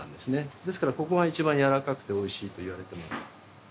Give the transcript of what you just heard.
ですからここが一番柔らかくておいしいと言われてます。